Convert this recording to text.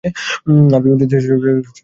আফিফ যদি শেষ করে আসতে পারতেন! ছবি: এএফপি